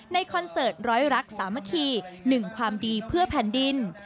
คอนเสิร์ตร้อยรักสามัคคี๑ความดีเพื่อแผ่นดิน